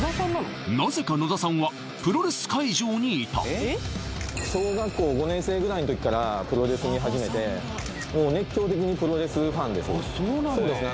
なぜか野田さんはプロレス会場にいた小学校５年生ぐらいのときからプロレス見始めてもう熱狂的にプロレスファンですそうですね